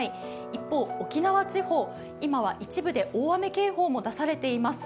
一方、沖縄地方、今は一部で大雨警報も出されています。